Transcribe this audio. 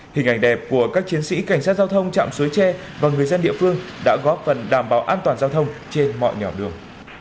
hình ảnh đẹp của các chiến sĩ cảnh sát giao thông chạm suối tre và người dân địa phương đã góp phần đảm bảo an toàn giao thông trên mọi nẻo đường